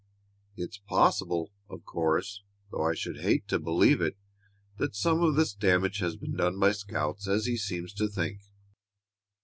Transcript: It's possible, of course, though I should hate to believe it, that some of this damage has been done by scouts, as he seems to think.